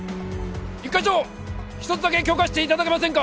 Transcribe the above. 一課長１つだけ許可して頂けませんか！？